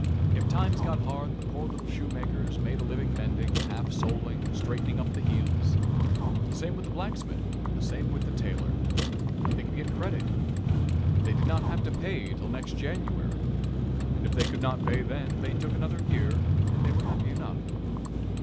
If times got hard, the poor little shoemakers made a living mending, half soling, straightening up the heels. The same with the blacksmith; the same with the tailor. They could get credit they did not have to pay till the next January, and if they could not pay then, they took another year, and they were happy enough.